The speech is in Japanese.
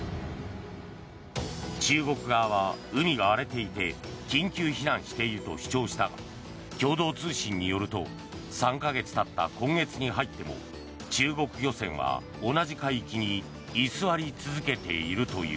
中国側は海が荒れていて緊急避難していると主張したが共同通信によると３か月たった今月に入っても中国漁船は同じ海域に居座り続けているという。